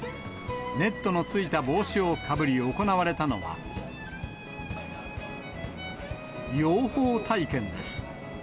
ネットのついた帽子をかぶり行われたのは、養蜂体験です。